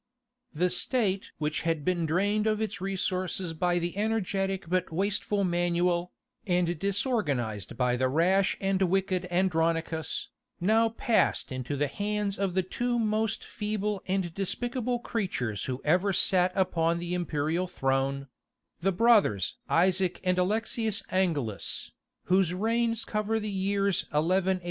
The state which had been drained of its resources by the energetic but wasteful Manuel, and disorganized by the rash and wicked Andronicus, now passed into the hands of the two most feeble and despicable creatures who ever sat upon the imperial throne—the brothers Isaac and Alexius Angelus, whose reigns cover the years 1185 1204.